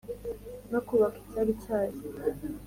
No kubaka icyari cyayo.